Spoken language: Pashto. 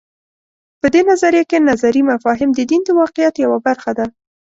په دې نظریه کې نظري مفاهیم د دین د واقعیت یوه برخه ده.